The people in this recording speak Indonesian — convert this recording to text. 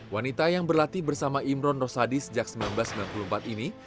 wanita yang berlatih bersama imron rosadi sejak seribu sembilan ratus sembilan puluh empat ini